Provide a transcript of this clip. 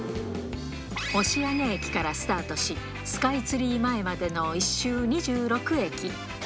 押上駅からスタートし、スカイツリー前までの１周２６駅。